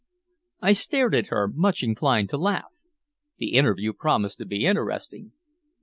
I stared at her, much inclined to laugh. The interview promised to be interesting.